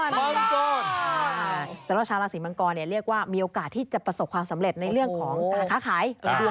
สำหรับชาวราศีมังกรเรียกว่ามีโอกาสที่จะประสบความสำเร็จในเรื่องของการค้าขาย